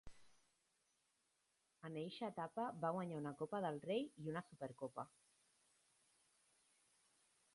En eixa etapa va guanyar una Copa del Rei i una Supercopa.